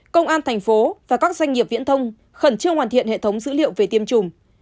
công an thành phố và các doanh nghiệp viễn thông khẩn trương hoàn thiện hệ thống dữ liệu về tiêm chủng